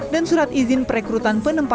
dan surat izin perekrutan penelusuran